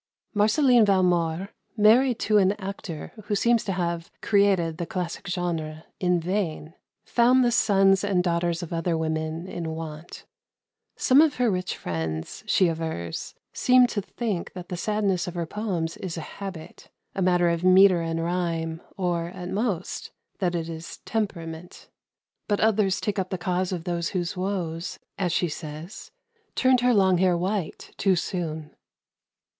Marceline Valmore, married to an actor who seems to have "created the classic genre" in vain, found the sons and daughters of other women in want. Some of her rich friends, she avers, seem to think that the sadness of her poems is a habit a matter of metre and rhyme, or, at most, that it is "temperament." But others take up the cause of those whose woes, as she says, turned her long hair white too soon.